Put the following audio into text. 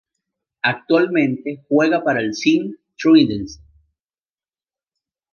Actualmente juega para el Sint-Truidense.